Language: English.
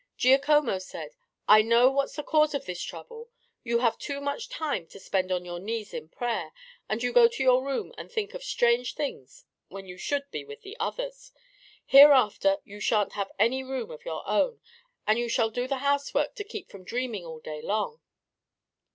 Giacomo said, "I know what's the cause of this trouble. You have too much time to spend on your knees in prayer and you go to your room and think of strange things when you should be with the others. Hereafter you shan't have any room of your own, and you shall do the housework to keep from dreaming all day long."